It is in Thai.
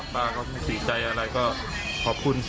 ป้าก็ไม่ติดใจอะไรก็ขอบคุณ